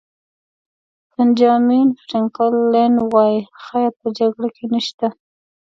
بنجامین فرانکلن وایي خیر په جګړه کې نشته.